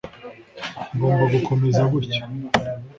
ngomba gukomeza gutya